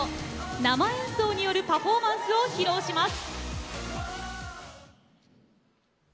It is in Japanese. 生演奏によるパフォーマンスを披露します。